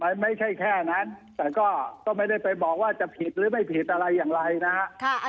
มันไม่ใช่แค่นั้นแต่ก็ไม่ได้ไปบอกว่าจะผิดหรือไม่ผิดอะไรอย่างไรนะฮะ